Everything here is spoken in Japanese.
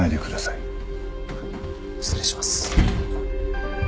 失礼します。